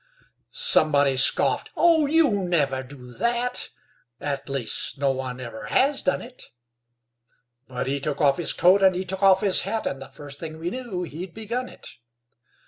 Somebody scoffed: "Oh, you'll never do that; At least no one ever has done it"; But he took off his coat and he took off his hat, And the first thing we knew he'd begun it.